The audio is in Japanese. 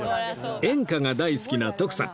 演歌が大好きな徳さん